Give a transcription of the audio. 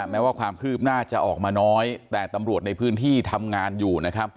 แม้ว่าความคืบหน้าจะออกมาน้อยแต่ตำรวจในพื้นที่ทำงานอยู่นะครับ